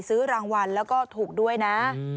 ซื้อรางวัลแล้วก็ถูกด้วยนะ